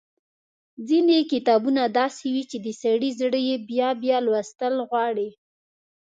ځينې کتابونه داسې وي چې د سړي زړه يې بيا بيا لوستل غواړي۔